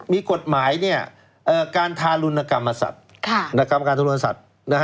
มีกฎหมายเนี่ยการทารุณกรรมสัตว์